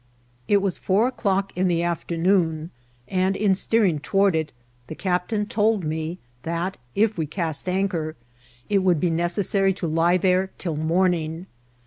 It was four o'clock in the afternoon, and, in steering toward it, the captain told me that, if we cast anchor, it would be necessary to lie there till morning.